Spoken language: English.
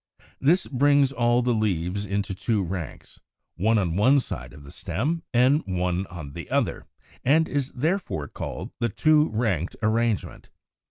This brings all the leaves into two ranks, one on one side of the stem and one on the other, and is therefore called the Two ranked arrangement.